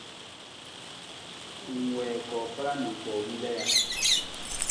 Ng wiin koofala na koowila ja?